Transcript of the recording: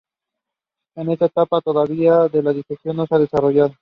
En esta etapa todavía la ingestión no se ha desarrollado.